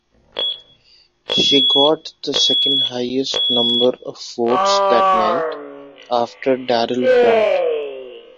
She got the second-highest number of votes that night, after Daryl Brunt.